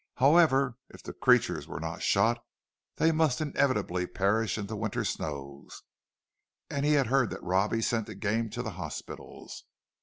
However, if the creatures were not shot, they must inevitably perish in the winter snows; and he had heard that Robbie sent the game to the hospitals.